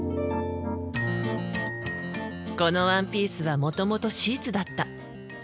このワンピースはもともとシーツだった。